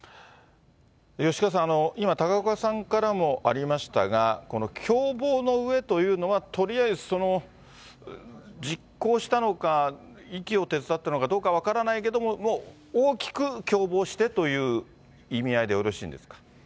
吉川さん、今、高岡さんからもありましたが、この共謀のうえというのは、とりあえず、実行したのか、遺棄を手伝ったのかどうか分からないけれども、大きく共謀してという意味合いでよろしいんですか。